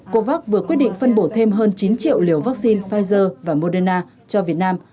covax vừa quyết định phân bổ thêm hơn chín triệu liều vaccine pfizer và moderna cho việt nam